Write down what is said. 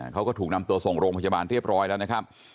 เขาก็ถูกนำตัวส่งโรงพยาบาลเรียบร้อยแล้วนะครับ